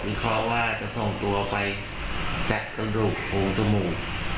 เคราะห์ว่าจะส่งตัวไปจัดกระดูกปูจมูก